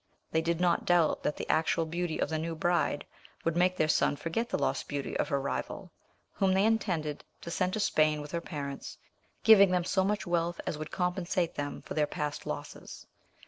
They did not doubt that the actual beauty of the new bride would make their son forget the lost beauty of her rival, whom they intended to send to Spain with her parents, giving them so much wealth as would compensate them for their past losses.